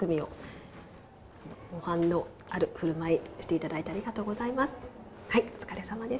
７組の模範のあるふるまいをしていただいてありがとうございます。